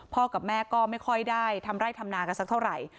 กับแม่ก็ไม่ค่อยได้ทำไร่ทำนากันสักเท่าไหร่